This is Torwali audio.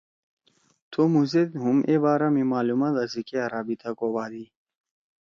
تھو مھو سیت ہُم اے بارا می معلوماتا سی کیا رابطہ کوبھادی۔